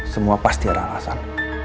semua pasti ada alasan